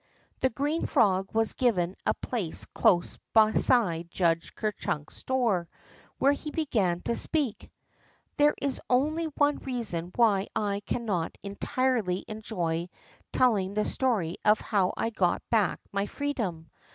The green frog was given a place close be side Judge Ker Chunk's door, where he began to speak : There is only one reason why I cannot entirely 90 THE ROCK FROG enjoy telling the story of how I got hack my free dom.